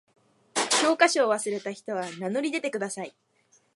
教科書を忘れた人は名乗り出てください。